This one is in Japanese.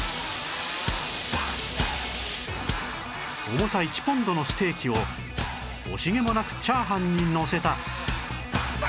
重さ１ポンドのステーキを惜しげもなくチャーハンにのせた